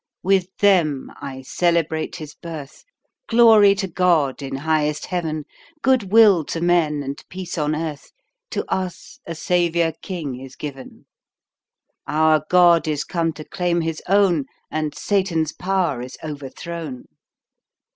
With them I celebrate His birth Glory to God, in highest Heaven, Good will to men, and peace on earth, To us a Saviour king is given; Our God is come to claim His own, And Satan's power is overthrown!